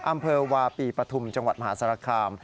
อำเภอวาปีปฐุมจังหวัดมหาสารคาม